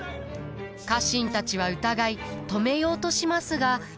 家臣たちは疑い止めようとしますが。